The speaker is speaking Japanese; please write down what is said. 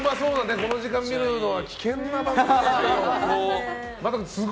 この時間、見るのは危険な番組ですね。